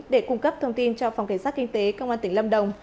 để cung cấp thông tin cho phòng cảnh sát kinh tế cơ quan tỉnh lâm đồng